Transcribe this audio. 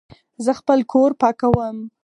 زه خپل کور پاکوم